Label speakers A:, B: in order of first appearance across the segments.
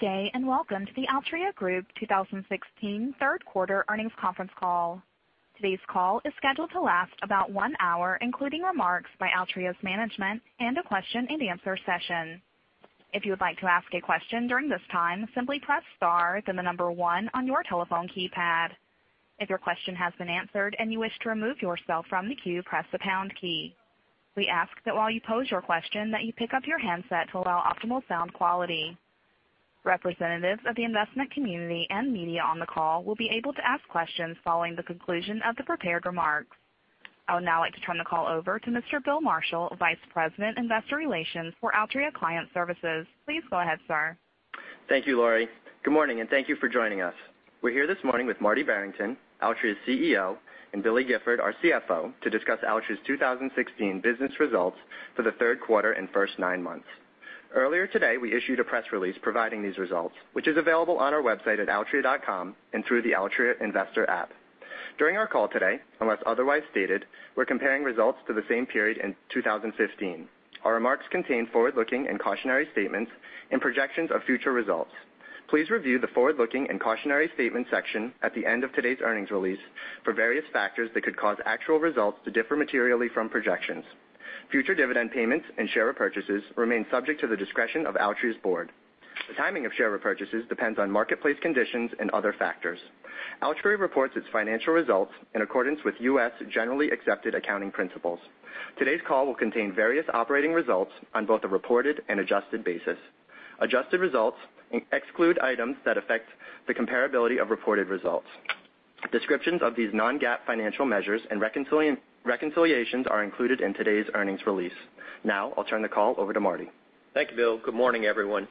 A: Good day, welcome to the Altria Group 2016 third quarter earnings conference call. Today's call is scheduled to last about one hour, including remarks by Altria's management and a question and answer session. If you would like to ask a question during this time, simply press star, then the number one on your telephone keypad. If your question has been answered and you wish to remove yourself from the queue, press the pound key. We ask that while you pose your question, that you pick up your handset to allow optimal sound quality. Representatives of the investment community and media on the call will be able to ask questions following the conclusion of the prepared remarks. I would now like to turn the call over to Mr. Bill Marshall, Vice President, Investor Relations for Altria Client Services. Please go ahead, sir.
B: Thank you, Laurie. Good morning, thank you for joining us. We're here this morning with Marty Barrington, Altria's CEO, and Billy Gifford, our CFO, to discuss Altria's 2016 business results for the third quarter and first nine months. Earlier today, we issued a press release providing these results, which is available on our website at altria.com and through the Altria investor app. During our call today, unless otherwise stated, we're comparing results to the same period in 2015. Our remarks contain forward-looking and cautionary statements and projections of future results. Please review the forward-looking and cautionary statements section at the end of today's earnings release for various factors that could cause actual results to differ materially from projections. Future dividend payments and share repurchases remain subject to the discretion of Altria's board. The timing of share repurchases depends on marketplace conditions and other factors. Altria reports its financial results in accordance with U.S. generally accepted accounting principles. Today's call will contain various operating results on both a reported and adjusted basis. Adjusted results exclude items that affect the comparability of reported results. Descriptions of these non-GAAP financial measures and reconciliations are included in today's earnings release. Now, I'll turn the call over to Marty.
C: Thank you, Bill. Good morning, everyone.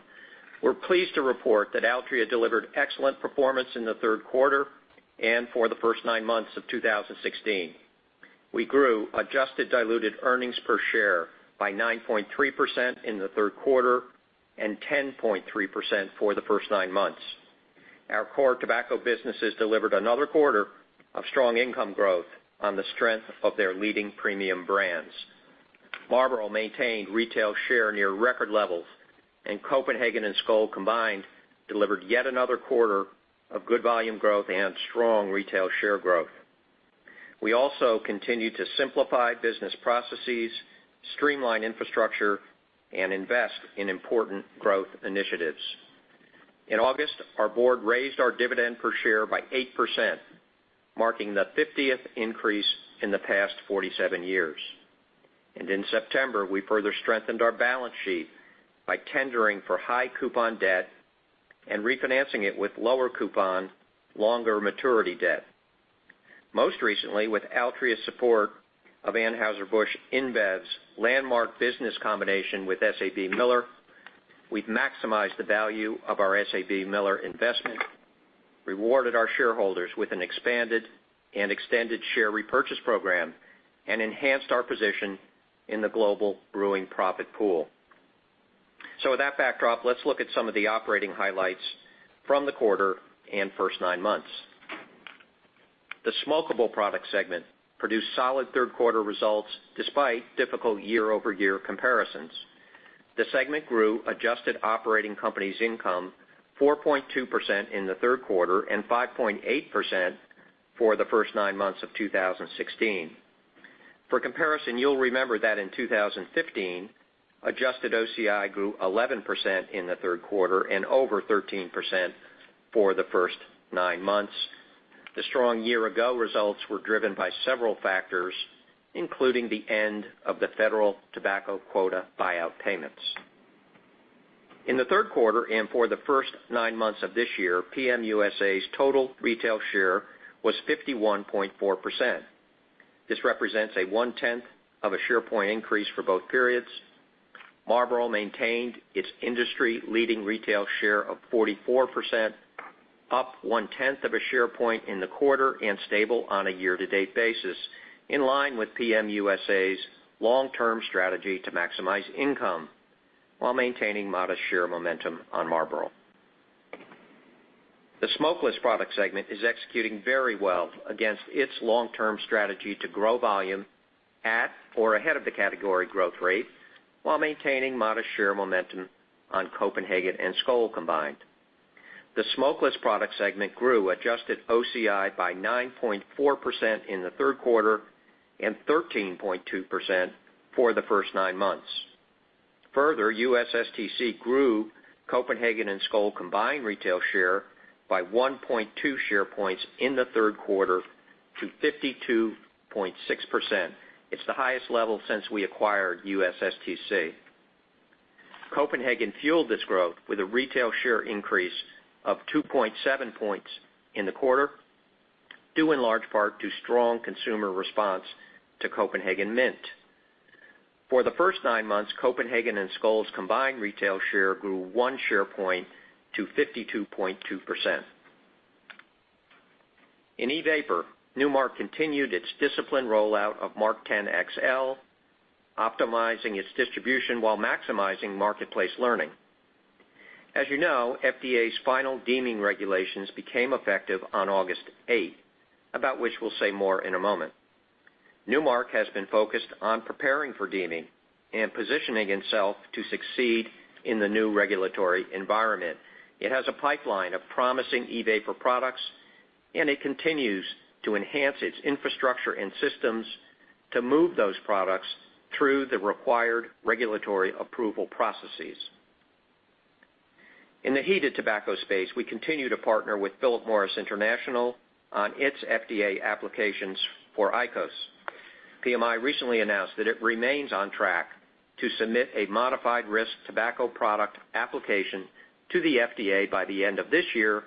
C: We're pleased to report that Altria delivered excellent performance in the third quarter and for the first nine months of 2016. We grew adjusted diluted earnings per share by 9.3% in the third quarter and 10.3% for the first nine months. Our core tobacco businesses delivered another quarter of strong income growth on the strength of their leading premium brands. Marlboro maintained retail share near record levels, and Copenhagen and Skoal combined delivered yet another quarter of good volume growth and strong retail share growth. We also continued to simplify business processes, streamline infrastructure, and invest in important growth initiatives. In August, our board raised our dividend per share by 8%, marking the 50th increase in the past 47 years. In September, we further strengthened our balance sheet by tendering for high coupon debt and refinancing it with lower coupon, longer maturity debt. Most recently, with Altria's support of Anheuser-Busch InBev's landmark business combination with SABMiller, we've maximized the value of our SABMiller investment, rewarded our shareholders with an expanded and extended share repurchase program, and enhanced our position in the global brewing profit pool. With that backdrop, let's look at some of the operating highlights from the quarter and first nine months. The smokable product segment produced solid third quarter results despite difficult year-over-year comparisons. The segment grew adjusted operating company's income 4.2% in the third quarter and 5.8% for the first nine months of 2016. For comparison, you'll remember that in 2015, adjusted OCI grew 11% in the third quarter and over 13% for the first nine months. The strong year-ago results were driven by several factors, including the end of the federal tobacco quota buyout payments. In the third quarter and for the first nine months of this year, PM USA's total retail share was 51.4%. This represents a one-tenth of a share point increase for both periods. Marlboro maintained its industry-leading retail share of 44%, up one-tenth of a share point in the quarter and stable on a year-to-date basis, in line with PM USA's long-term strategy to maximize income while maintaining modest share momentum on Marlboro. The smokeless product segment is executing very well against its long-term strategy to grow volume at or ahead of the category growth rate while maintaining modest share momentum on Copenhagen and Skoal combined. The smokeless product segment grew adjusted OCI by 9.4% in the third quarter and 13.2% for the first nine months. Further, USSTC grew Copenhagen and Skoal combined retail share by 1.2 share points in the third quarter to 52.6%. It's the highest level since we acquired USSTC. Copenhagen fueled this growth with a retail share increase of 2.7 points in the quarter, due in large part to strong consumer response to Copenhagen Mint. For the first nine months, Copenhagen and Skoal's combined retail share grew one share point to 52.2%. In e-vapor, Nu Mark continued its disciplined rollout of MarkTen XL, optimizing its distribution while maximizing marketplace learning. As you know, FDA's final deeming regulations became effective on August 8th, about which we'll say more in a moment. Nu Mark has been focused on preparing for deeming and positioning itself to succeed in the new regulatory environment. It has a pipeline of promising e-vapor products, and it continues to enhance its infrastructure and systems to move those products through the required regulatory approval processes. In the heated tobacco space, we continue to partner with Philip Morris International on its FDA applications for IQOS. PMI recently announced that it remains on track to submit a modified risk tobacco product application to the FDA by the end of this year,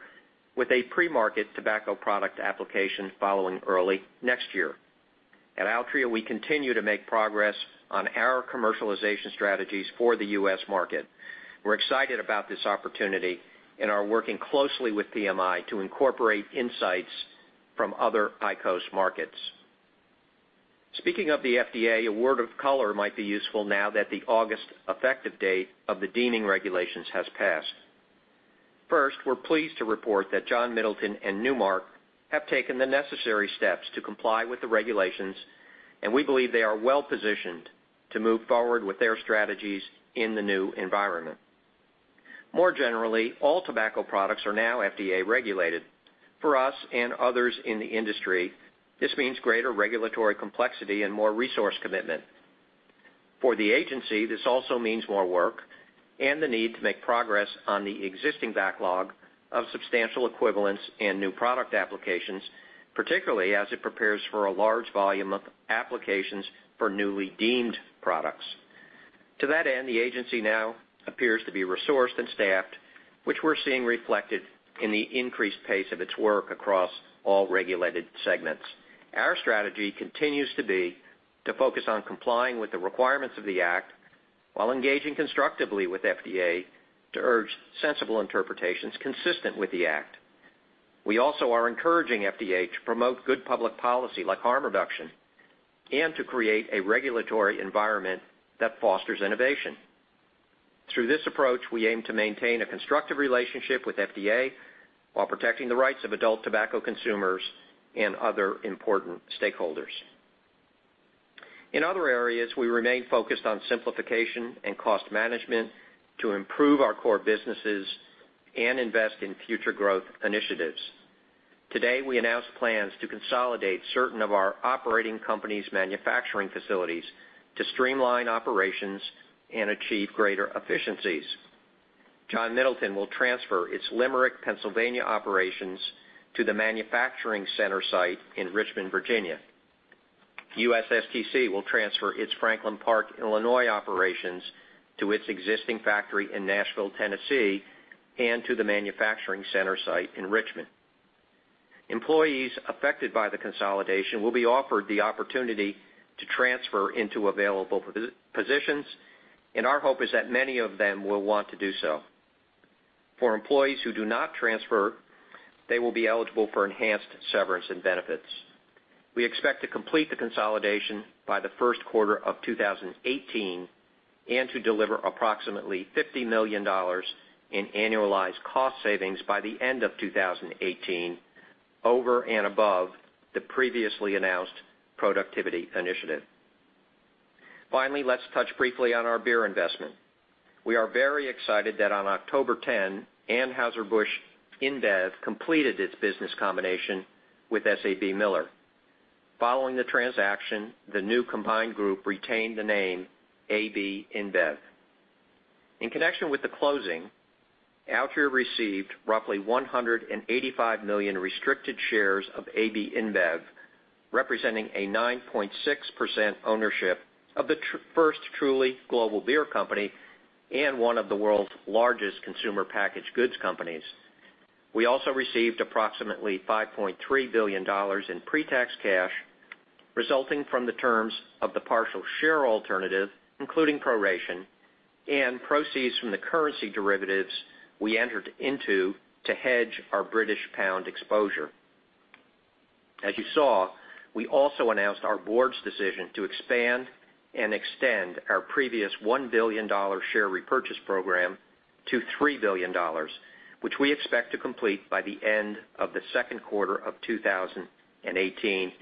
C: with a pre-market tobacco product application following early next year. At Altria, we continue to make progress on our commercialization strategies for the U.S. market. We're excited about this opportunity and are working closely with PMI to incorporate insights from other IQOS markets. Speaking of the FDA, a word of color might be useful now that the August effective date of the deeming regulations has passed. First, we're pleased to report that John Middleton and Nu Mark have taken the necessary steps to comply with the regulations, and we believe they are well-positioned to move forward with their strategies in the new environment. More generally, all tobacco products are now FDA regulated. For us and others in the industry, this means greater regulatory complexity and more resource commitment. For the agency, this also means more work and the need to make progress on the existing backlog of substantial equivalence and new product applications, particularly as it prepares for a large volume of applications for newly deemed products. To that end, the agency now appears to be resourced and staffed, which we're seeing reflected in the increased pace of its work across all regulated segments. Our strategy continues to be to focus on complying with the requirements of the act while engaging constructively with FDA to urge sensible interpretations consistent with the act. We also are encouraging FDA to promote good public policy like harm reduction and to create a regulatory environment that fosters innovation. Through this approach, we aim to maintain a constructive relationship with FDA while protecting the rights of adult tobacco consumers and other important stakeholders. In other areas, we remain focused on simplification and cost management to improve our core businesses and invest in future growth initiatives. Today, we announced plans to consolidate certain of our operating companies' manufacturing facilities to streamline operations and achieve greater efficiencies. John Middleton will transfer its Limerick, Pennsylvania operations to the manufacturing center site in Richmond, Virginia. USSTC will transfer its Franklin Park, Illinois operations to its existing factory in Nashville, Tennessee, and to the manufacturing center site in Richmond. Employees affected by the consolidation will be offered the opportunity to transfer into available positions, and our hope is that many of them will want to do so. For employees who do not transfer, they will be eligible for enhanced severance and benefits. We expect to complete the consolidation by the first quarter of 2018 and to deliver approximately $50 million in annualized cost savings by the end of 2018, over and above the previously announced productivity initiative. Let's touch briefly on our beer investment. We are very excited that on October 10, Anheuser-Busch InBev completed its business combination with SABMiller. Following the transaction, the new combined group retained the name AB InBev. In connection with the closing, Altria received roughly 185 million restricted shares of AB InBev, representing a 9.6% ownership of the first truly global beer company and one of the world's largest consumer packaged goods companies. We also received approximately $5.3 billion in pre-tax cash, resulting from the terms of the partial share alternative, including proration, and proceeds from the currency derivatives we entered into to hedge our British pound exposure. As you saw, we also announced our board's decision to expand and extend our previous $1 billion share repurchase program to $3 billion, which we expect to complete by the end of the second quarter of 2018.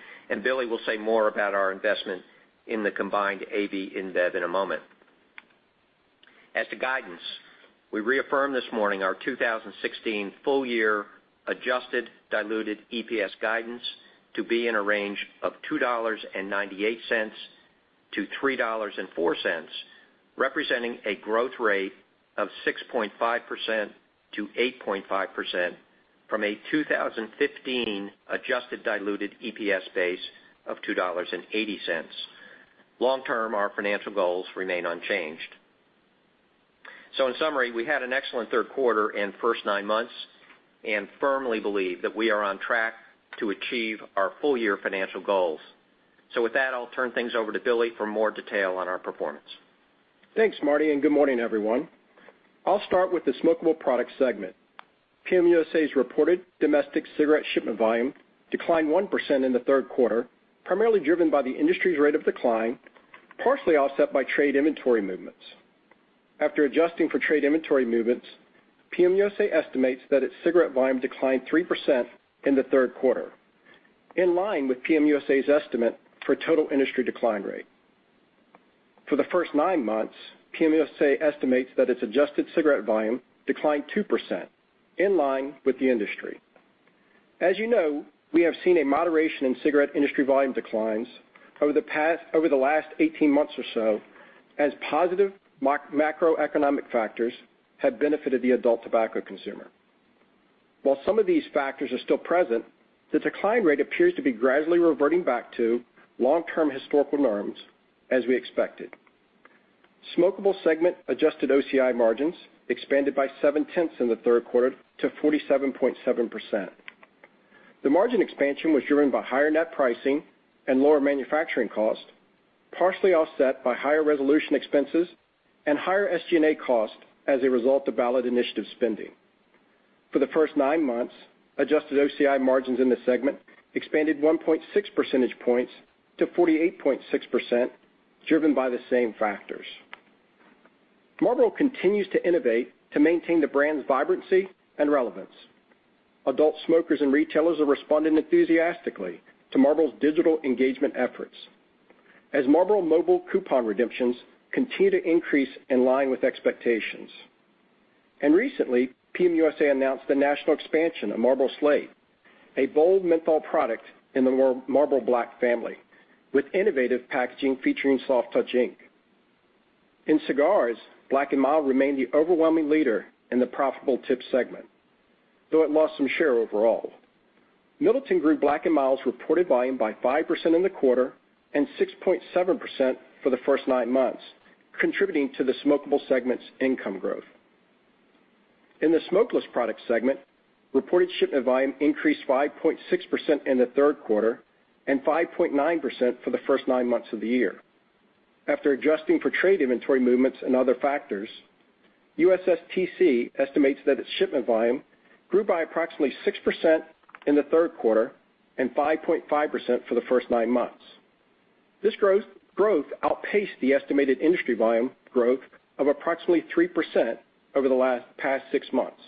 C: Billy will say more about our investment in the combined AB InBev in a moment. As to guidance, we reaffirm this morning our 2016 full year adjusted diluted EPS guidance to be in a range of $2.98 to $3.04, representing a growth rate of 6.5%-8.5% from a 2015 adjusted diluted EPS base of $2.80. Long term, our financial goals remain unchanged. In summary, we had an excellent third quarter and first nine months and firmly believe that we are on track to achieve our full year financial goals. With that, I'll turn things over to Billy for more detail on our performance.
D: Thanks, Marty, and good morning, everyone. I'll start with the smokable product segment. PM USA's reported domestic cigarette shipment volume declined 1% in the third quarter, primarily driven by the industry's rate of decline, partially offset by trade inventory movements. After adjusting for trade inventory movements, PM USA estimates that its cigarette volume declined 3% in the third quarter, in line with PM USA's estimate for total industry decline rate. For the first nine months, PM USA estimates that its adjusted cigarette volume declined 2%, in line with the industry. As you know, we have seen a moderation in cigarette industry volume declines over the last 18 months or so as positive macroeconomic factors have benefited the adult tobacco consumer. While some of these factors are still present, the decline rate appears to be gradually reverting back to long-term historical norms, as we expected. Smokable segment adjusted OCI margins expanded by seven-tenths in the third quarter to 47.7%. The margin expansion was driven by higher net pricing and lower manufacturing cost, partially offset by higher resolution expenses and higher SG&A cost as a result of ballot initiative spending. For the first nine months, adjusted OCI margins in the segment expanded 1.6 percentage points to 48.6%, driven by the same factors. Marlboro continues to innovate to maintain the brand's vibrancy and relevance. Adult smokers and retailers are responding enthusiastically to Marlboro's digital engagement efforts as Marlboro mobile coupon redemptions continue to increase in line with expectations. Recently, PM USA announced the national expansion of Marlboro Slate, a bold menthol product in the Marlboro Black family, with innovative packaging featuring soft touch ink. In cigars, Black & Mild remained the overwhelming leader in the profitable tip segment, though it lost some share overall. Middleton grew Black & Mild's reported volume by 5% in the quarter and 6.7% for the first nine months, contributing to the smokable segment's income growth. In the smokeless product segment, reported shipment volume increased 5.6% in the third quarter and 5.9% for the first nine months of the year. After adjusting for trade inventory movements and other factors, USSTC estimates that its shipment volume grew by approximately 6% in the third quarter and 5.5% for the first nine months. This growth outpaced the estimated industry volume growth of approximately 3% over the last past six months.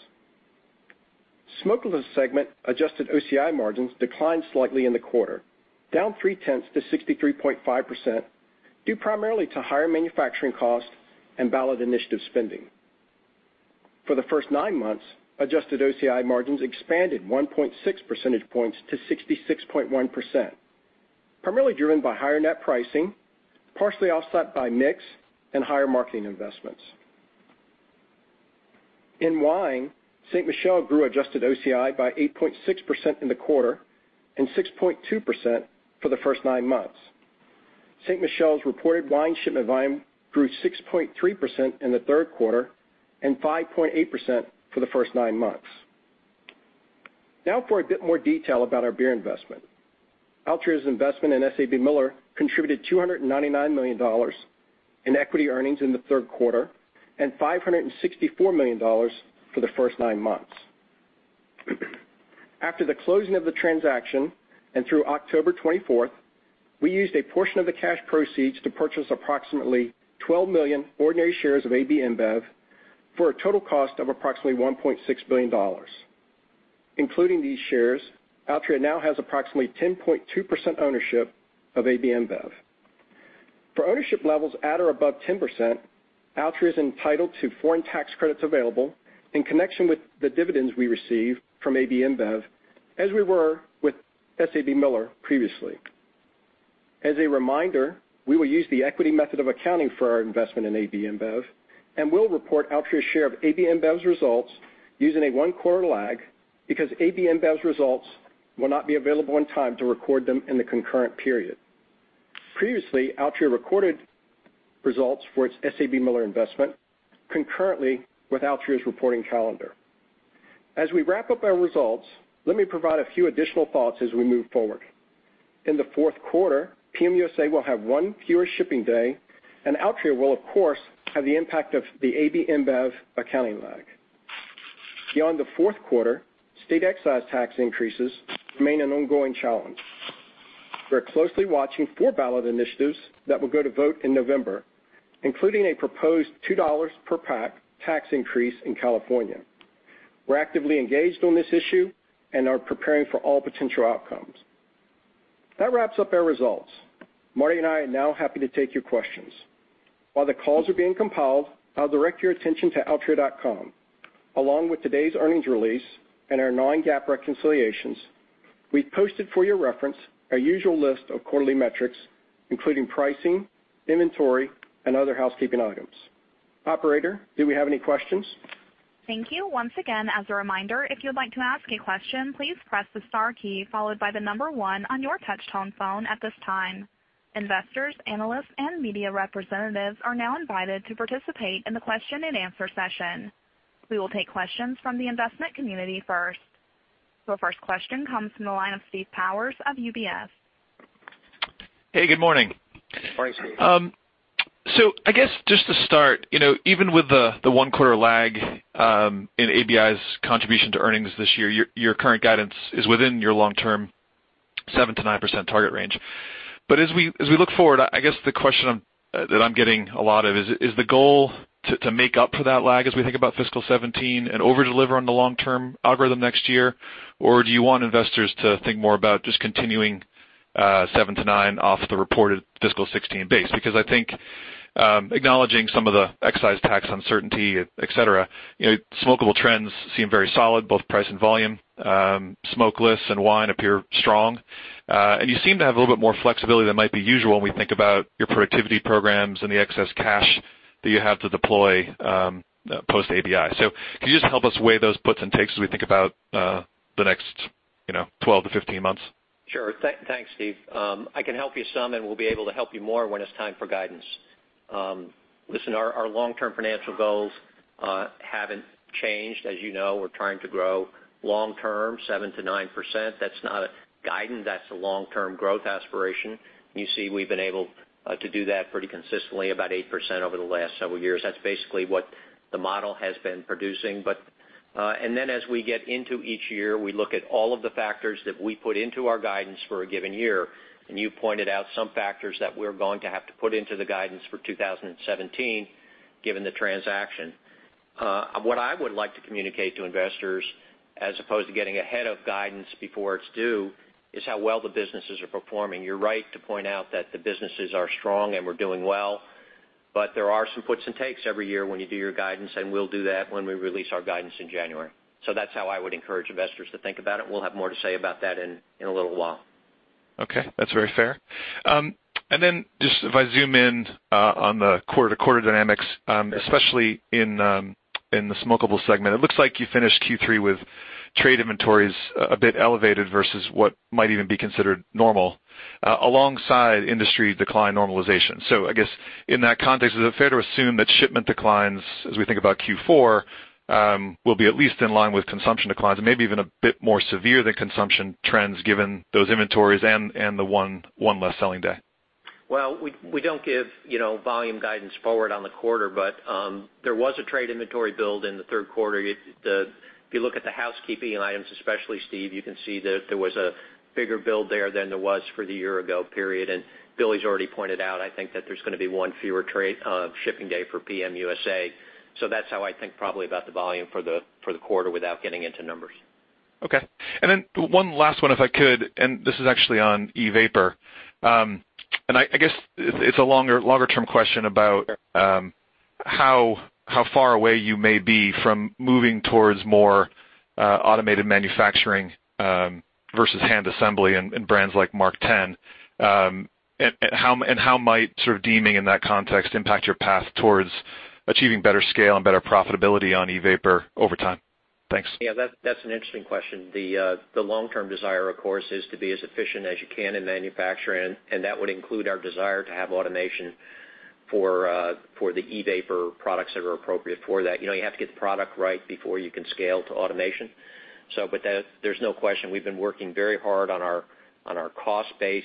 D: Smokeless segment adjusted OCI margins declined slightly in the quarter, down three-tenths to 63.5%, due primarily to higher manufacturing costs and ballot initiative spending. For the first nine months, adjusted OCI margins expanded 1.6 percentage points to 66.1%, primarily driven by higher net pricing, partially offset by mix and higher marketing investments. In wine, Ste. Michelle grew adjusted OCI by 8.6% in the quarter and 6.2% for the first nine months. Ste. Michelle's reported wine shipment volume grew 6.3% in the third quarter and 5.8% for the first nine months. Now for a bit more detail about our beer investment. Altria's investment in SABMiller contributed $299 million in equity earnings in the third quarter and $564 million for the first nine months. After the closing of the transaction and through October 24th, we used a portion of the cash proceeds to purchase approximately 12 million ordinary shares of AB InBev for a total cost of approximately $1.6 billion. Including these shares, Altria now has approximately 10.2% ownership of AB InBev. For ownership levels at or above 10%, Altria is entitled to foreign tax credits available in connection with the dividends we receive from AB InBev, as we were with SABMiller previously. As a reminder, we will use the equity method of accounting for our investment in AB InBev, and we'll report Altria's share of AB InBev's results using a one-quarter lag because AB InBev's results will not be available in time to record them in the concurrent period. Previously, Altria recorded results for its SABMiller investment concurrently with Altria's reporting calendar. As we wrap up our results, let me provide a few additional thoughts as we move forward. In the fourth quarter, PM USA will have one fewer shipping day, and Altria will, of course, have the impact of the AB InBev accounting lag. Beyond the fourth quarter, state excise tax increases remain an ongoing challenge. We're closely watching four ballot initiatives that will go to vote in November, including a proposed $2 per pack tax increase in California. We're actively engaged on this issue and are preparing for all potential outcomes. That wraps up our results. Marty and I are now happy to take your questions. While the calls are being compiled, I'll direct your attention to altria.com. Along with today's earnings release and our non-GAAP reconciliations, we've posted for your reference our usual list of quarterly metrics, including pricing, inventory, and other housekeeping items. Operator, do we have any questions?
A: Thank you. Once again, as a reminder, if you'd like to ask a question, please press the star key followed by the number one on your touch-tone phone at this time. Investors, analysts, and media representatives are now invited to participate in the question and answer session. We will take questions from the investment community first. First question comes from the line of Steve Powers of UBS.
E: Hey, good morning. Morning, Steve. I guess just to start, even with the one-quarter lag in ABI's contribution to earnings this year, your current guidance is within your long-term 7%-9% target range. As we look forward, I guess the question that I'm getting a lot of is: Is the goal to make up for that lag as we think about fiscal 2017 and over-deliver on the long-term algorithm next year? Or do you want investors to think more about just continuing 7%-9% off the reported fiscal 2016 base? I think, acknowledging some of the excise tax uncertainty, et cetera, smokable trends seem very solid, both price and volume. Smokeless and wine appear strong. You seem to have a little bit more flexibility than might be usual when we think about your productivity programs and the excess cash that you have to deploy post-ABI. Can you just help us weigh those puts and takes as we think about the next 12 to 15 months?
C: Sure. Thanks, Steve. I can help you some, and we'll be able to help you more when it's time for guidance. Listen, our long-term financial goals haven't changed. As you know, we're trying to grow long-term, 7%-9%. That's not a guidance, that's a long-term growth aspiration. You see, we've been able to do that pretty consistently, about 8% over the last several years. That's basically what the model has been producing. As we get into each year, we look at all of the factors that we put into our guidance for a given year, and you pointed out some factors that we're going to have to put into the guidance for 2017, given the transaction. What I would like to communicate to investors, as opposed to getting ahead of guidance before it's due, is how well the businesses are performing. You're right to point out that the businesses are strong and we're doing well, there are some puts and takes every year when you do your guidance, and we'll do that when we release our guidance in January. That's how I would encourage investors to think about it. We'll have more to say about that in a little while.
E: Okay, that's very fair. Just if I zoom in on the quarter-to-quarter dynamics, especially in the smokable segment, it looks like you finished Q3 with trade inventories a bit elevated versus what might even be considered normal, alongside industry decline normalization. I guess in that context, is it fair to assume that shipment declines, as we think about Q4, will be at least in line with consumption declines and maybe even a bit more severe than consumption trends, given those inventories and the one less selling day?
C: Well, we don't give volume guidance forward on the quarter, but there was a trade inventory build in the third quarter. If you look at the housekeeping items, especially Steve, you can see that there was a bigger build there than there was for the year ago period. Billy's already pointed out, I think that there's going to be one fewer trade shipping day for PM USA. That's how I think probably about the volume for the quarter without getting into numbers.
E: Okay. One last one, if I could, this is actually on E-vapor. I guess it's a longer term question about how far away you may be from moving towards more automated manufacturing versus hand assembly in brands like MarkTen, and how might deeming in that context impact your path towards achieving better scale and better profitability on E-vapor over time? Thanks.
C: Yeah, that's an interesting question. The long-term desire, of course, is to be as efficient as you can in manufacturing, and that would include our desire to have automation for the E-vapor products that are appropriate for that. You have to get the product right before you can scale to automation. There's no question, we've been working very hard on our cost base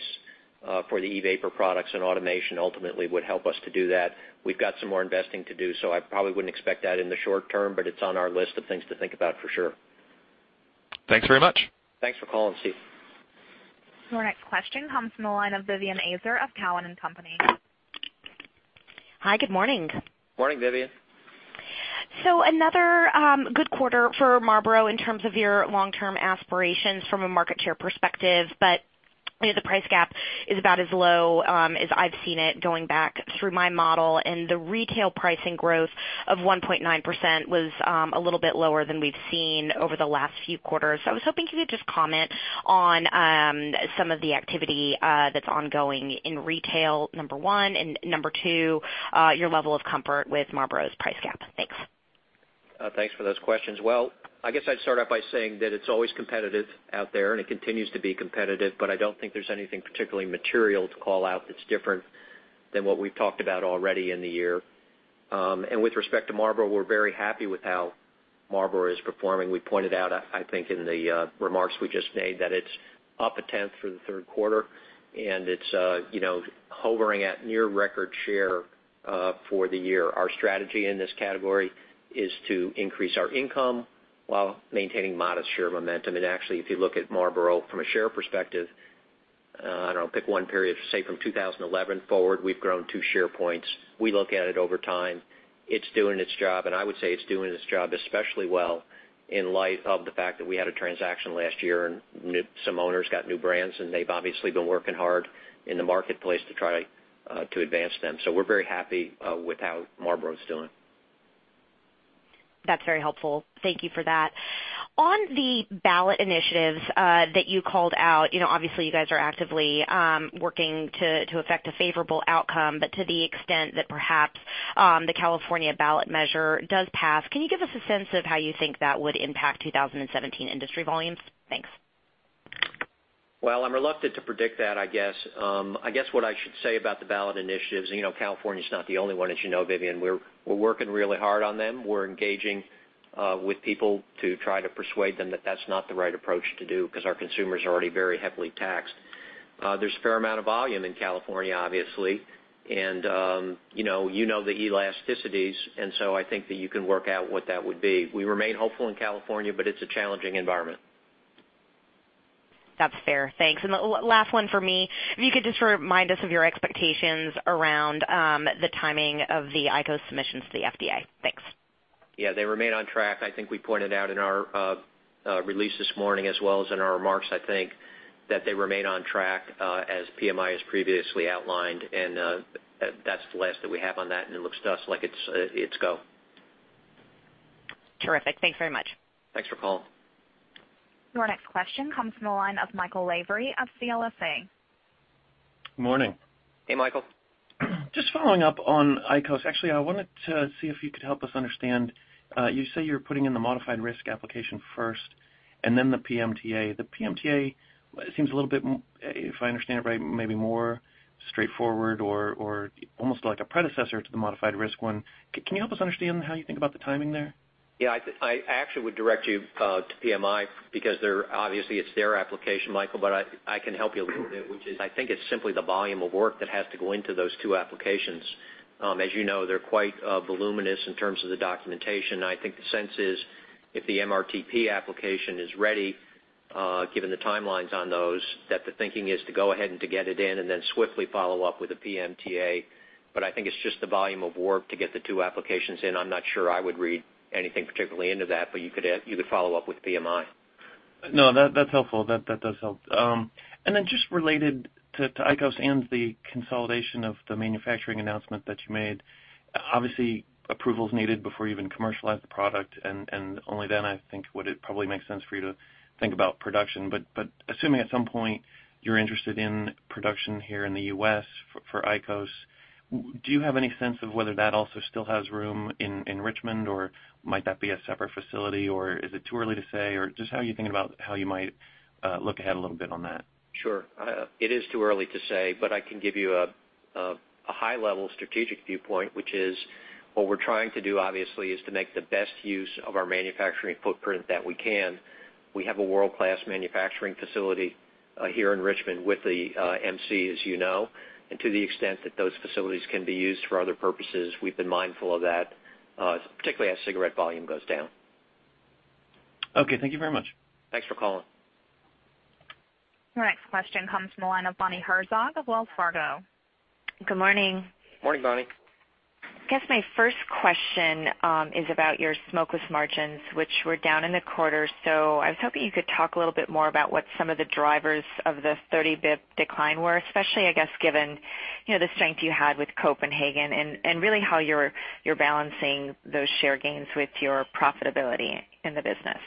C: for the E-vapor products, automation ultimately would help us to do that. We've got some more investing to do, I probably wouldn't expect that in the short term, but it's on our list of things to think about for sure.
E: Thanks very much.
C: Thanks for calling, Steve.
A: Your next question comes from the line of Vivien Azer of Cowen and Company.
F: Hi, good morning.
C: Morning, Vivien.
F: Another good quarter for Marlboro in terms of your long-term aspirations from a market share perspective. The price gap is about as low as I've seen it going back through my model, and the retail pricing growth of 1.9% was a little bit lower than we've seen over the last few quarters. I was hoping you could just comment on some of the activity that's ongoing in retail, number 1, and number 2, your level of comfort with Marlboro's price gap. Thanks.
C: Thanks for those questions. Well, I guess I'd start off by saying that it's always competitive out there and it continues to be competitive, but I don't think there's anything particularly material to call out that's different than what we've talked about already in the year. With respect to Marlboro, we're very happy with how Marlboro is performing. We pointed out, I think in the remarks we just made, that it's up a tenth for the third quarter and it's hovering at near record share for the year. Our strategy in this category is to increase our income while maintaining modest share momentum. Actually, if you look at Marlboro from a share perspective, I don't know, pick one period, say from 2011 forward, we've grown two share points. We look at it over time. It's doing its job, I would say it's doing its job especially well in light of the fact that we had a transaction last year and some owners got new brands, and they've obviously been working hard in the marketplace to try to advance them. We're very happy with how Marlboro's doing.
F: That's very helpful. Thank you for that. On the ballot initiatives that you called out, obviously you guys are actively working to affect a favorable outcome, to the extent that perhaps the California ballot measure does pass, can you give us a sense of how you think that would impact 2017 industry volumes? Thanks.
C: Well, I'm reluctant to predict that, I guess. I guess what I should say about the ballot initiatives, California's not the only one, as you know, Vivien. We're working really hard on them. We're engaging with people to try to persuade them that that's not the right approach to do because our consumers are already very heavily taxed. There's a fair amount of volume in California, obviously. You know the elasticities, so I think that you can work out what that would be. We remain hopeful in California, but it's a challenging environment.
F: That's fair. Thanks. The last one for me, if you could just remind us of your expectations around the timing of the IQOS submissions to the FDA. Thanks.
C: Yeah, they remain on track. I think we pointed out in our release this morning as well as in our remarks, I think, that they remain on track as PMI has previously outlined. That's the last that we have on that, and it looks to us like it's go.
F: Terrific. Thanks very much.
C: Thanks for calling.
A: Your next question comes from the line of Michael Lavery of CLSA.
G: Morning.
C: Hey, Michael.
G: Just following up on IQOS. Actually, I wanted to see if you could help us understand, you say you're putting in the modified risk application first and then the PMTA. The PMTA seems a little bit, if I understand it right, maybe more straightforward or almost like a predecessor to the modified risk one. Can you help us understand how you think about the timing there?
C: Yeah. I actually would direct you to PMI because obviously it's their application, Michael, but I can help you a little bit, which is, I think it's simply the volume of work that has to go into those two applications. As you know, they're quite voluminous in terms of the documentation. I think the sense is if the MRTP application is ready, given the timelines on those, that the thinking is to go ahead and to get it in and then swiftly follow up with a PMTA. I think it's just the volume of work to get the two applications in. I'm not sure I would read anything particularly into that, you could follow up with PMI.
G: No, that's helpful. That does help. Just related to IQOS and the consolidation of the manufacturing announcement that you made, obviously approval's needed before you even commercialize the product, and only then I think would it probably make sense for you to think about production. Assuming at some point you're interested in production here in the U.S. for IQOS, do you have any sense of whether that also still has room in Richmond, or might that be a separate facility, or is it too early to say? Just how are you thinking about how you might look ahead a little bit on that?
C: Sure. It is too early to say, but I can give you a high level strategic viewpoint, which is what we're trying to do, obviously, is to make the best use of our manufacturing footprint that we can. We have a world-class manufacturing facility here in Richmond with the MC, as you know, and to the extent that those facilities can be used for other purposes, we've been mindful of that, particularly as cigarette volume goes down.
G: Okay. Thank you very much.
C: Thanks for calling.
A: Your next question comes from the line of Bonnie Herzog of Wells Fargo.
H: Good morning.
C: Morning, Bonnie.
H: My first question is about your smokeless margins, which were down in the quarter. I was hoping you could talk a little bit more about what some of the drivers of the 30 bps decline were, especially, I guess, given the strength you had with Copenhagen and really how you're balancing those share gains with your profitability in the business.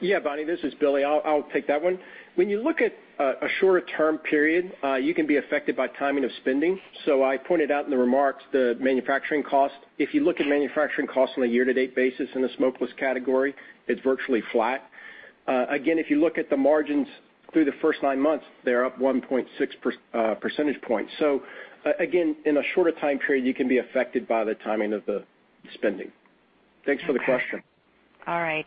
D: Yeah, Bonnie, this is Billy. I'll take that one. When you look at a shorter-term period, you can be affected by timing of spending. I pointed out in the remarks the manufacturing cost. If you look at manufacturing costs on a year-to-date basis in the smokeless category, it's virtually flat. Again, if you look at the margins through the first nine months, they're up 1.6 percentage points. Again, in a shorter time period, you can be affected by the timing of the spending. Thanks for the question.
H: All right.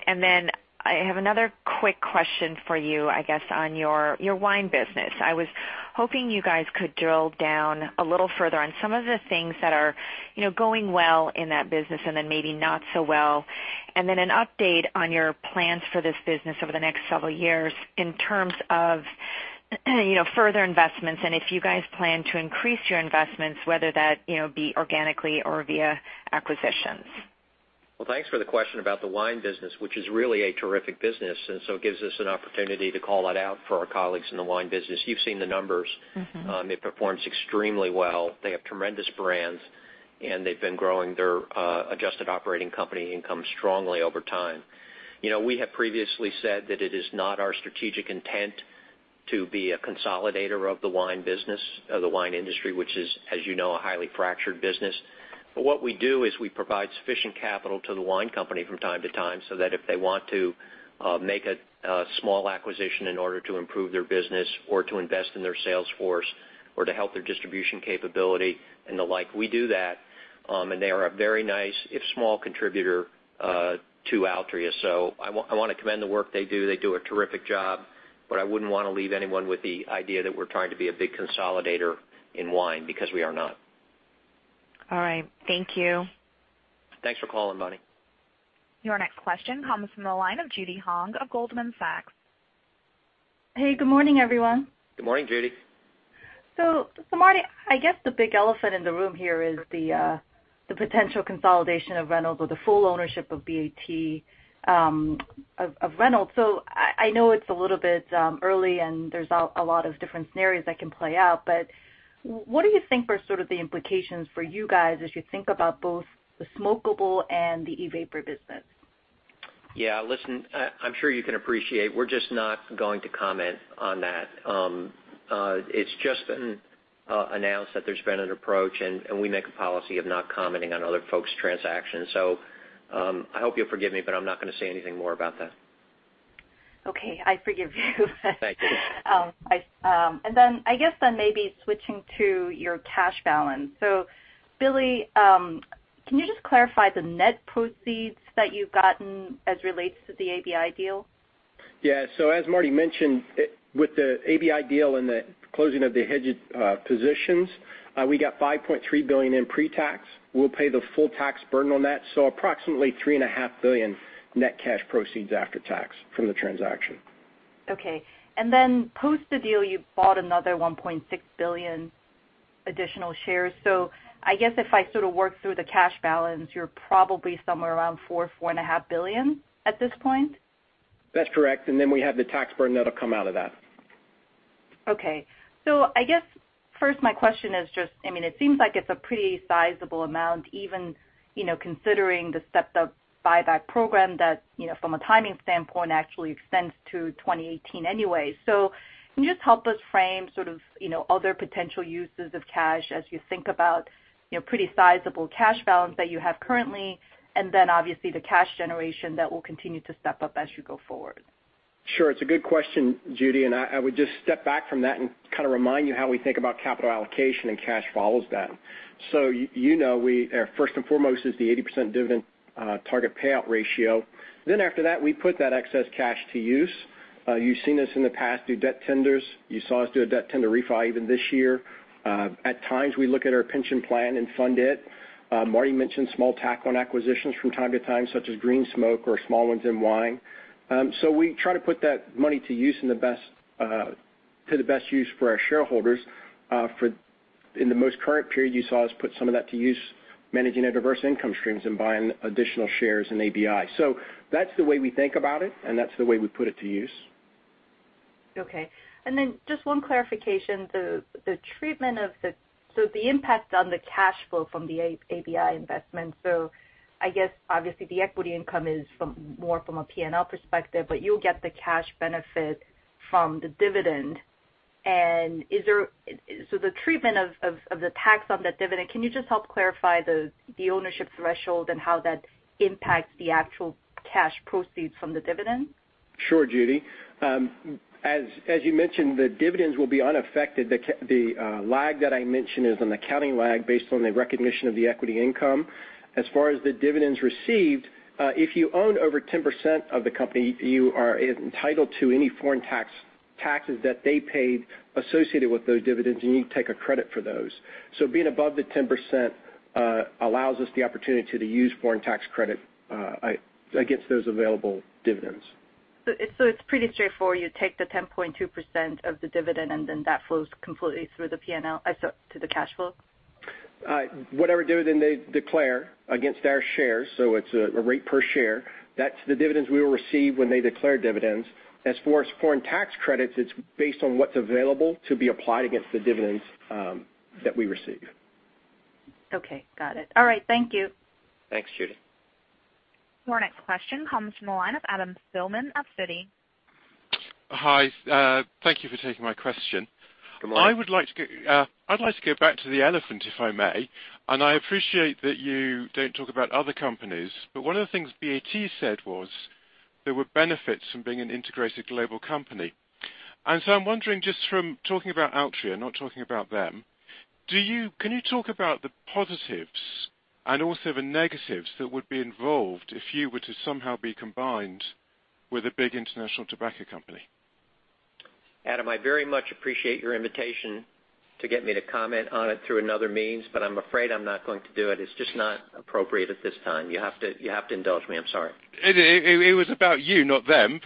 H: I have another quick question for you, I guess, on your wine business. I was hoping you guys could drill down a little further on some of the things that are going well in that business and then maybe not so well, and then an update on your plans for this business over the next several years in terms of further investments and if you guys plan to increase your investments, whether that be organically or via acquisitions.
C: Well, thanks for the question about the wine business, which is really a terrific business. It gives us an opportunity to call it out for our colleagues in the wine business. You've seen the numbers. It performs extremely well. They have tremendous brands, and they've been growing their adjusted operating company income strongly over time. We have previously said that it is not our strategic intent to be a consolidator of the wine business, of the wine industry, which is, as you know, a highly fractured business. What we do is we provide sufficient capital to the wine company from time to time so that if they want to make a small acquisition in order to improve their business or to invest in their sales force or to help their distribution capability and the like, we do that, and they are a very nice, if small, contributor to Altria. I want to commend the work they do. They do a terrific job, I wouldn't want to leave anyone with the idea that we're trying to be a big consolidator in wine, because we are not.
H: All right. Thank you.
C: Thanks for calling, Bonnie.
A: Your next question comes from the line of Judy Hong of Goldman Sachs.
I: Hey, good morning, everyone.
C: Good morning, Judy.
I: Marty, I guess the big elephant in the room here is the potential consolidation of Reynolds with the full ownership of BAT, of Reynolds. I know it's a little bit early and there's a lot of different scenarios that can play out, but what do you think are sort of the implications for you guys as you think about both the smokeable and the e-vapor business?
C: Yeah. Listen, I'm sure you can appreciate we're just not going to comment on that. It's just been announced that there's been an approach, and we make a policy of not commenting on other folks' transactions. I hope you'll forgive me, but I'm not going to say anything more about that.
I: Okay. I forgive you.
C: Thank you.
I: I guess then maybe switching to your cash balance. Billy, can you just clarify the net proceeds that you've gotten as relates to the ABI deal?
D: Yeah. As Marty mentioned, with the ABI deal and the closing of the hedged positions, we got $5.3 billion in pre-tax. We'll pay the full tax burden on that, approximately $3.5 billion net cash proceeds after tax from the transaction.
I: Okay. Then post the deal, you bought another $1.6 billion additional shares. I guess if I sort of work through the cash balance, you're probably somewhere around $4 billion, $4.5 billion at this point?
D: That's correct. Then we have the tax burden that'll come out of that.
I: Okay. I guess first my question is just, it seems like it's a pretty sizable amount, even considering the stepped-up buyback program that, from a timing standpoint, actually extends to 2018 anyway. Can you just help us frame other potential uses of cash as you think about pretty sizable cash balance that you have currently, and then obviously the cash generation that will continue to step up as you go forward?
D: Sure. It's a good question, Judy, and I would just step back from that and kind of remind you how we think about capital allocation, and cash follows that. You know first and foremost is the 80% dividend target payout ratio. After that, we put that excess cash to use. You've seen us in the past do debt tenders. You saw us do a debt tender refi even this year. At times, we look at our pension plan and fund it. Marty mentioned small tack-on acquisitions from time to time, such as Green Smoke or small ones in wine. We try to put that money to the best use for our shareholders. In the most current period, you saw us put some of that to use managing our diverse income streams and buying additional shares in ABI. That's the way we think about it, and that's the way we put it to use.
I: Okay. Then just one clarification, the treatment of the impact on the cash flow from the ABI investment. I guess obviously the equity income is more from a P&L perspective, but you'll get the cash benefit from the dividend. The treatment of the tax on that dividend, can you just help clarify the ownership threshold and how that impacts the actual cash proceeds from the dividend?
D: Sure, Judy. As you mentioned, the dividends will be unaffected. The lag that I mentioned is an accounting lag based on the recognition of the equity income. As far as the dividends received, if you own over 10% of the company, you are entitled to any foreign taxes that they paid associated with those dividends, and you need to take a credit for those. Being above the 10% allows us the opportunity to use foreign tax credit against those available dividends.
I: It's pretty straightforward. You take the 10.2% of the dividend, and then that flows completely through to the cash flow?
D: Whatever dividend they declare against our shares, so it's a rate per share, that's the dividends we will receive when they declare dividends. As far as foreign tax credits, it's based on what's available to be applied against the dividends that we receive.
I: Okay, got it. All right, thank you.
C: Thanks, Judy.
A: Our next question comes from the line of Adam Spielman of Citi.
J: Hi. Thank you for taking my question.
C: Good morning.
J: I'd like to go back to the elephant, if I may. I appreciate that you don't talk about other companies, but one of the things BAT said was there were benefits from being an integrated global company. I'm wondering, just from talking about Altria, not talking about them, can you talk about the positives and also the negatives that would be involved if you were to somehow be combined with a big international tobacco company?
C: Adam, I very much appreciate your invitation to get me to comment on it through another means, but I'm afraid I'm not going to do it. It's just not appropriate at this time. You have to indulge me. I'm sorry.
J: It was about you, not them.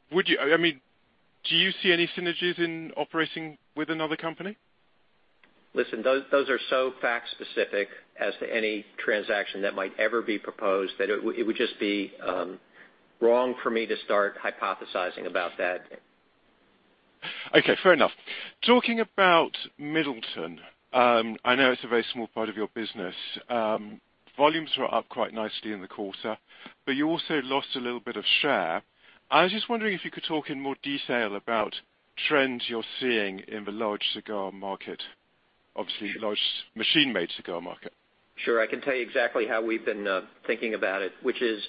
J: Do you see any synergies in operating with another company?
C: Listen, those are so fact specific as to any transaction that might ever be proposed, that it would just be wrong for me to start hypothesizing about that.
J: Okay, fair enough. Talking about Middleton, I know it's a very small part of your business. Volumes were up quite nicely in the quarter, but you also lost a little bit of share. I was just wondering if you could talk in more detail about trends you're seeing in the large cigar market. Obviously, large machine-made cigar market.
C: Sure. I can tell you exactly how we've been thinking about it, which is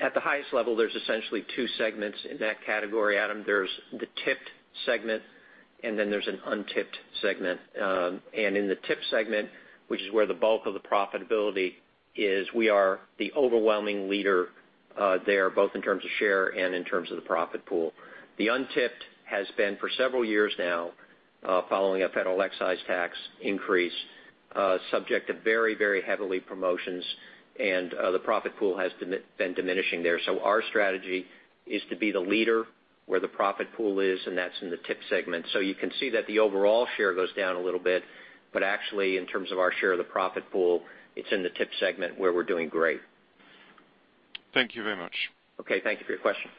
C: at the highest level, there's essentially two segments in that category, Adam. There's the tipped segment, and then there's an untipped segment. In the tipped segment, which is where the bulk of the profitability is, we are the overwhelming leader there, both in terms of share and in terms of the profit pool. The untipped has been for several years now, following a federal excise tax increase, subject to very heavily promotions, and the profit pool has been diminishing there. Our strategy is to be the leader where the profit pool is, and that's in the tipped segment. You can see that the overall share goes down a little bit, but actually, in terms of our share of the profit pool, it's in the tipped segment where we're doing great.
J: Thank you very much.
C: Okay, thank you for your question.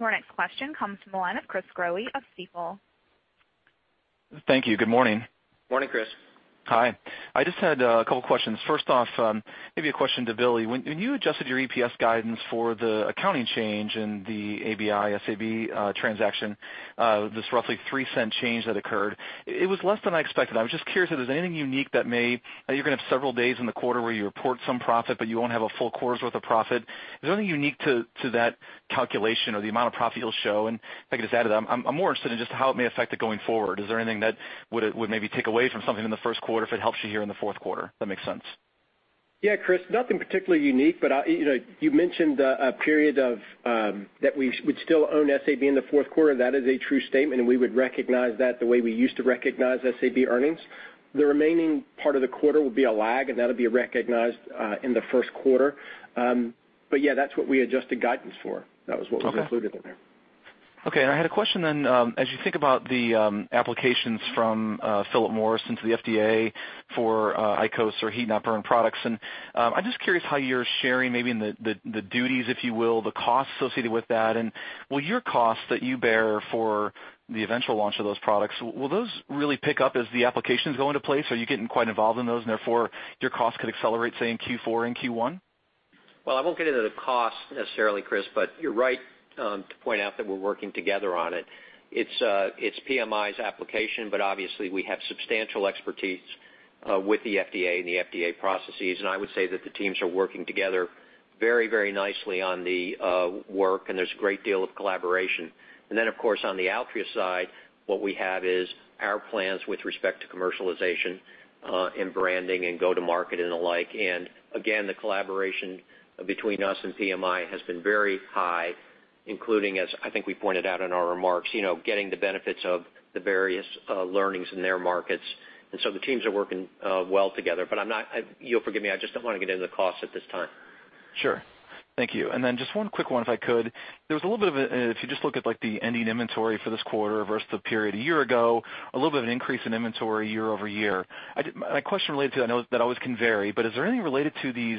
A: Our next question comes from the line of Chris Growe of Stifel.
K: Thank you. Good morning.
C: Morning, Chris.
K: Hi. I just had a couple questions. First off, maybe a question to Billy. When you adjusted your EPS guidance for the accounting change in the ABI/SAB transaction, this roughly $0.03 change that occurred, it was less than I expected. I was just curious if there's anything unique that you're going to have several days in the quarter where you report some profit, but you won't have a full quarter's worth of profit. Is there anything unique to that calculation or the amount of profit you'll show? If I could just add to that, I'm more interested in just how it may affect it going forward. Is there anything that would maybe take away from something in the first quarter if it helps you here in the fourth quarter? If that makes sense.
D: Yeah, Chris, nothing particularly unique, you mentioned a period that we would still own SAB in the fourth quarter. That is a true statement, and we would recognize that the way we used to recognize SAB earnings. The remaining part of the quarter would be a lag, and that'll be recognized in the first quarter. Yeah, that's what we adjusted guidance for. That was what was included in there.
K: Okay. I had a question then. As you think about the applications from Philip Morris International into the FDA for IQOS or heat-not-burn products, I'm just curious how you're sharing maybe the duties, if you will, the costs associated with that, and will your costs that you bear for the eventual launch of those products, will those really pick up as the applications go into place? Are you getting quite involved in those and therefore, your costs could accelerate, say, in Q4 and Q1?
C: Well, I won't get into the cost necessarily, Chris, you're right to point out that we're working together on it. It's PMI's application, but obviously, we have substantial expertise with the FDA and the FDA processes. I would say that the teams are working together very nicely on the work, and there's a great deal of collaboration. Then, of course, on the Altria side, what we have is our plans with respect to commercialization and branding and go-to-market and the like. Again, the collaboration between us and PMI has been very high, including, as I think we pointed out in our remarks, getting the benefits of the various learnings in their markets. So the teams are working well together. You'll forgive me, I just don't want to get into the cost at this time.
K: Sure. Thank you. Just one quick one, if I could. If you just look at the ending inventory for this quarter versus the period a year ago, a little bit of an increase in inventory year-over-year. My question related to that, I know that always can vary, but is there anything related to these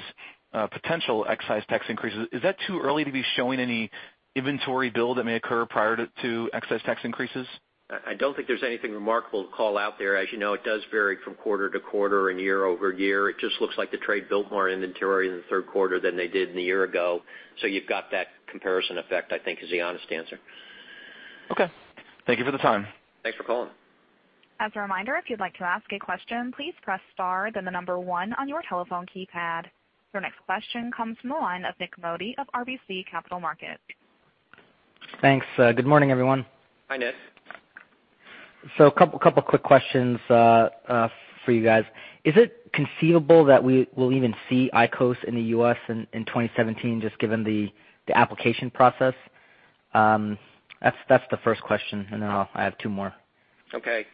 K: potential excise tax increases? Is that too early to be showing any inventory build that may occur prior to excise tax increases?
C: I don't think there's anything remarkable to call out there. As you know, it does vary from quarter to quarter and year-over-year. It just looks like the trade built more inventory in the third quarter than they did in a year ago. You've got that comparison effect, I think is the honest answer.
K: Okay. Thank you for the time.
C: Thanks for calling.
A: As a reminder, if you'd like to ask a question, please press star then the number 1 on your telephone keypad. Your next question comes from the line of Nik Modi of RBC Capital Markets.
L: Thanks. Good morning, everyone.
C: Hi, Nik.
L: A couple of quick questions for you guys. Is it conceivable that we will even see IQOS in the U.S. in 2017, just given the application process? That's the first question, I have two more.
C: Okay.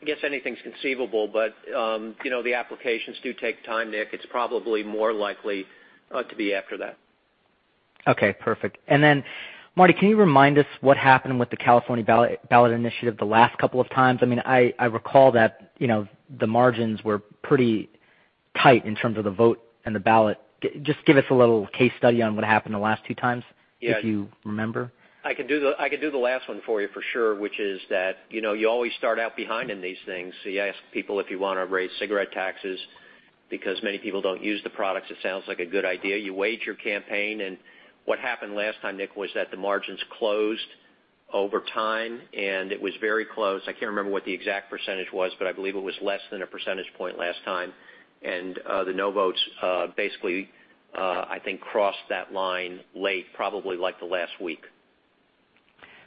C: I guess anything's conceivable, but the applications do take time, Nik. It's probably more likely to be after that.
L: Okay, perfect. Marty, can you remind us what happened with the California ballot initiative the last couple of times? I recall that the margins were pretty tight in terms of the vote and the ballot. Just give us a little case study on what happened the last two times.
C: Yeah.
L: if you remember.
C: I can do the last one for you for sure, which is that you always start out behind in these things. You ask people if you want to raise cigarette taxes because many people don't use the products. It sounds like a good idea. You wage your campaign. What happened last time, Nik, was that the margins closed over time, and it was very close. I can't remember what the exact percentage was, but I believe it was less than a percentage point last time. The no votes basically, I think, crossed that line late, probably like the last week.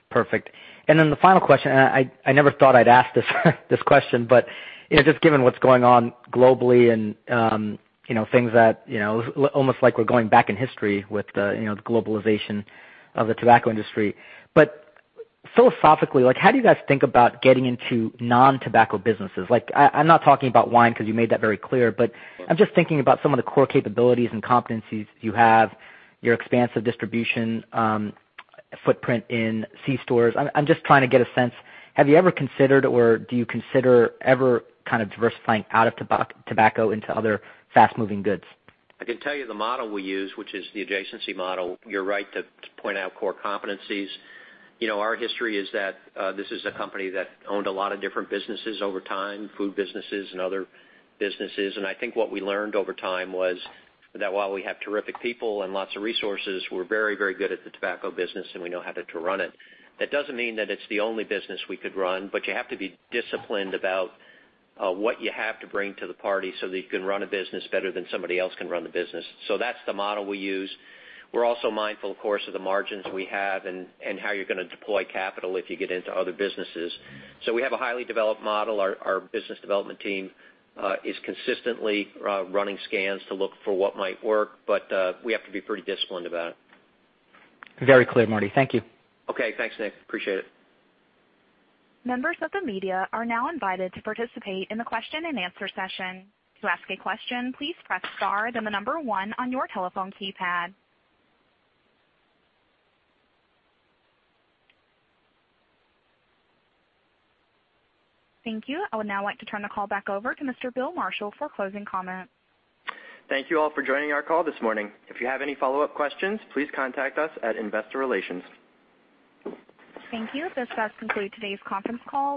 L: Perfect. Then the final question, I never thought I'd ask this question, but just given what's going on globally and things that almost like we're going back in history with the globalization of the tobacco industry. Philosophically, how do you guys think about getting into non-tobacco businesses? I'm not talking about wine because you made that very clear, but I'm just thinking about some of the core capabilities and competencies you have, your expansive distribution footprint in C-stores. I'm just trying to get a sense. Have you ever considered, or do you consider ever kind of diversifying out of tobacco into other fast-moving goods?
C: I can tell you the model we use, which is the adjacency model. You're right to point out core competencies. Our history is that this is a company that owned a lot of different businesses over time, food businesses and other businesses. I think what we learned over time was that while we have terrific people and lots of resources, we're very good at the tobacco business, and we know how to run it. That doesn't mean that it's the only business we could run, but you have to be disciplined about what you have to bring to the party so that you can run a business better than somebody else can run the business. That's the model we use. We're also mindful, of course, of the margins we have and how you're going to deploy capital if you get into other businesses. We have a highly developed model. Our business development team is consistently running scans to look for what might work, but we have to be pretty disciplined about it.
L: Very clear, Marty. Thank you.
C: Okay. Thanks, Nik. Appreciate it.
A: Members of the media are now invited to participate in the question and answer session. To ask a question, please press star, then the number 1 on your telephone keypad. Thank you. I would now like to turn the call back over to Mr. Bill Marshall for closing comments.
B: Thank you all for joining our call this morning. If you have any follow-up questions, please contact us at Investor Relations.
A: Thank you. This does conclude today's conference call.